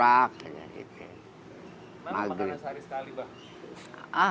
makan sehari sekali mbak